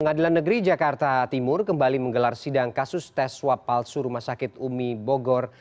pengadilan negeri jakarta timur kembali menggelar sidang kasus tes swab palsu rumah sakit umi bogor